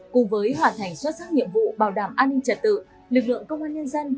cùng với hoàn thành xuất sắc nhiệm vụ bảo đảm an ninh trật tự lực lượng công an nhân dân